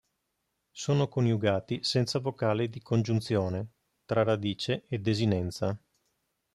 Sono coniugati senza vocale di congiunzione tra radice e desinenza.